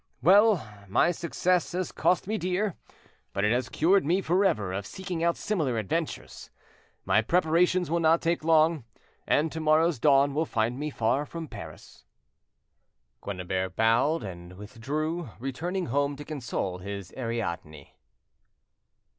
Well, my success has cost me dear, but it has cured me for ever of seeking out similar adventures. My preparations will not take long, and to morrow's dawn will find me far from Paris." Quennebert bowed and withdrew, returning home to console his Ariadne.